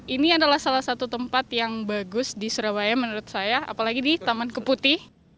ini adalah salah satu tempat yang bagus di surabaya menurut saya apalagi di taman keputi